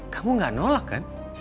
kamu gak nolak kan